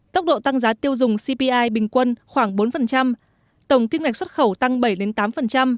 tốc độ tăng giá tiêu dùng cpi bình quân khoảng bốn tổng kim ngạch xuất khẩu tăng bảy tám